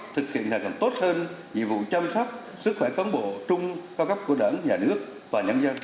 thực hiện ngày càng tốt hơn nhiệm vụ chăm sóc sức khỏe cán bộ trung cao cấp của đảng nhà nước và nhân dân